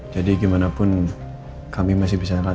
jadi gimana pun kami masih bisa lacak